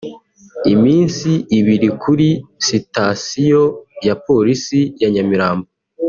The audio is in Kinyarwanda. iminsi ibiri kuri sitasiyo ya Polisi ya Nyamirambo